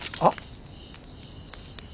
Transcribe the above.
あっ。